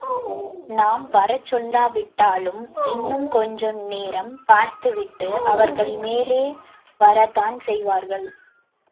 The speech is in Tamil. நாம் வரச்சொல்லாவிட்டாலும் இன்னும் கொஞ்ச நேரம் பார்த்துவிட்டு, அவர்கள் மேலே வரத்தான் செய்வார்கள்.